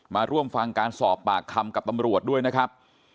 มาร่วมฟังการสอบปากคำกับตำรวจด้วยนะครับ